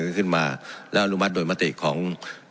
สัดแดดขึ้นมาและอรุมัติโดยมาตรีของ